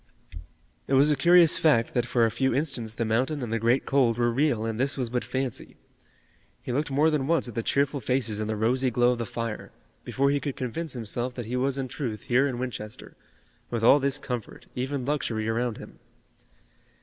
It was a curious fact that for a few instants the mountain and the great cold were real and this was but fancy. He looked more than once at the cheerful faces and the rosy glow of the fire, before he could convince himself that he was in truth here in Winchester, with all this comfort, even luxury, around him.